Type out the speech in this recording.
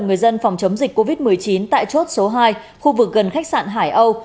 người dân phòng chống dịch covid một mươi chín tại chốt số hai khu vực gần khách sạn hải âu